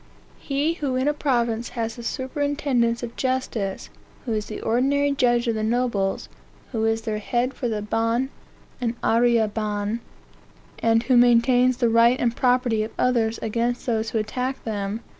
He who in a province has the superintendence of justice, who is the ordinary judge of the nobles, who is their head for the ban and arriere ban, and who maintains the right and property of others against those who attack them...